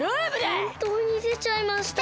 ほんとうにでちゃいました！